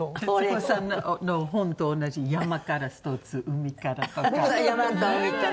徹子さんの本と同じ山から１つ海からとか。